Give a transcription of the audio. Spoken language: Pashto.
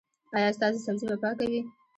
ایا ستاسو سبزي به پاکه وي؟